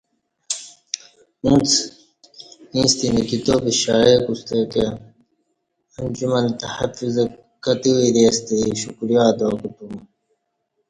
اُݩڅ ایݩستہ اینہ کتابہ شائع کوستہ کہ انجمن تحفظ کتہ ورے ستہ شکریہ ادا کوتم